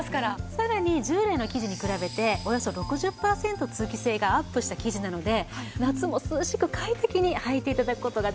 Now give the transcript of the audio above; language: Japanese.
さらに従来の生地に比べておよそ６０パーセント通気性がアップした生地なので夏も涼しく快適にはいて頂く事ができるんです。